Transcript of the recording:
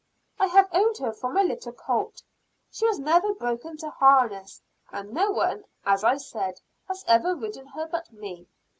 I have owned her from a little colt. She was never broken to harness; and no one, as I said, has ever ridden her but me.